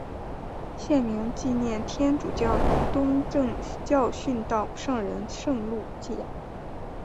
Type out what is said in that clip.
县名纪念天主教与东正教殉道圣人圣路济亚。